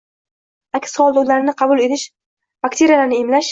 aks holda ularni qabul qilish bakteriyalarni «emlash»